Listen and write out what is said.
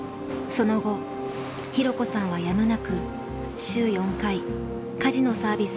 その後弘子さんはやむなく週４回家事のサービスを受け入れました。